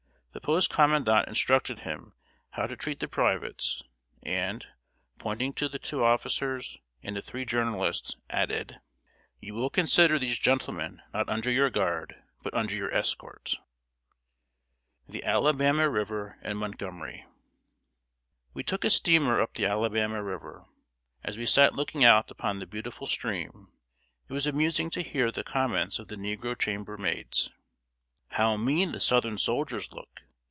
The post commandant instructed him how to treat the privates, and, pointing to the two officers and the three journalists, added: [Sidenote: THE ALABAMA RIVER AND MONTGOMERY.] "You will consider these gentlemen not under your guard, but under your escort." We took a steamer up the Alabama River. As we sat looking out upon the beautiful stream, it was amusing to hear the comments of the negro chamber maids: "How mean the Southern soldiers look!